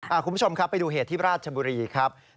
คุณผู้ชมครับไปดูเหตุที่ราชบุรีครับ